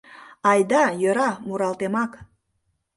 Айда, йӧра, муралтемак